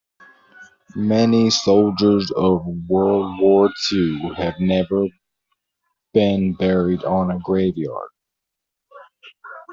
Many soldiers of world war two have never been buried on a grave yard.